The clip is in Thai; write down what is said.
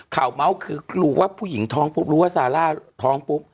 เมาส์คือรู้ว่าผู้หญิงท้องปุ๊บรู้ว่าซาร่าท้องปุ๊บ